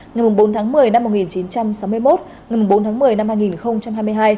ngày bốn tháng một mươi năm một nghìn chín trăm sáu mươi một ngày bốn tháng một mươi năm hai nghìn hai mươi hai